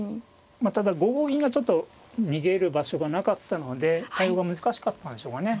まあただ５五銀がちょっと逃げる場所がなかったので対応が難しかったんでしょうかね。